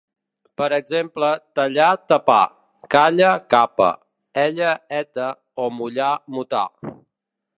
Per exemple tallar-tapar, calla-capa, ella-eta o mullar-mutar.